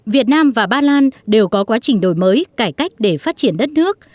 việt nam và ba lan đều có quá trình đổi mới cải cách để phát triển đất nước